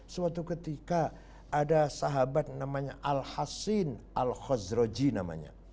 suatu ketika ada sahabat namanya al hasin al khozroji namanya